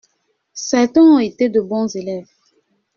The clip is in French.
Certains ont été de bons élèves.